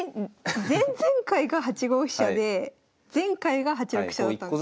前々回が８五飛車で前回が８六飛車だったんですよ。